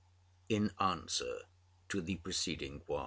in Answer to the preceding one.